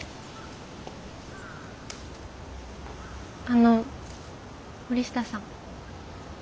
あの森下さん。